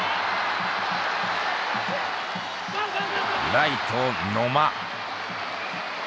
ライト野間。